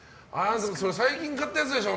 それ最近買ったやつでしょ！